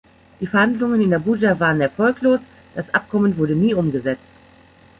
Die Verhandlungen in Abuja waren erfolglos, das Abkommen wurde nie umgesetzt.